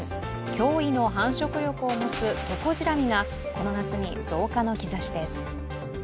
驚異の繁殖力を持つトコジラミがこの夏に増加の兆しです。